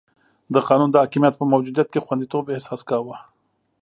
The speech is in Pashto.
د قانون د حاکمیت په موجودیت کې خونديتوب احساس کاوه.